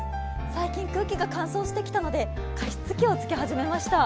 最近空気が乾燥してきたので加湿器をつけ始めました。